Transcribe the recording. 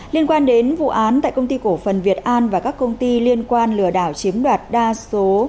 liên quan đến vụ án tại công ty cổ phần việt an và các công ty liên quan lừa đảo chiếm đoạt đa số